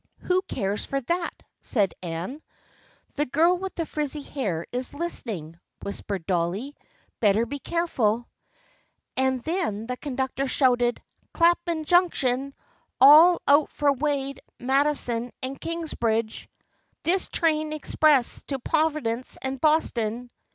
" Who cares for that? " said Anne. "The girl with the frizzy hair is listening," whispered Dolly. " Better be careful !" And then the conductor shouted, " Clapham Junction ! All out for Wade, Madison and Kings bridge ! This train express to Providence and Boston